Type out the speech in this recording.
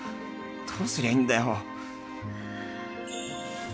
どうすりゃいいんだよ